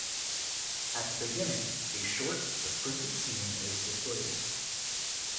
At the beginning, a short descriptive scene is displayed.